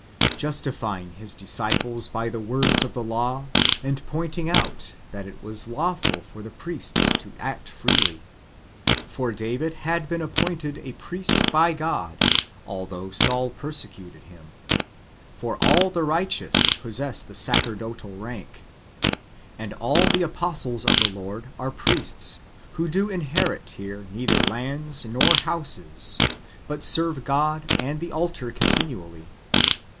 "^ justifying His disciples by the words of the law, and pointing out that it was lawful for the priests to act freely. For David had been appointed a priest by God, although Saul persecuted him. For all the righteous possess the sacerdotal rank.^ And all the apostles of the Lord are priests, who do inherit here neither lands nor houses, but serve God and the altar continually.